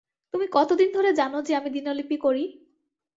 তুমি কতদিন ধরে জানো যে আমি দিনলিপি করি?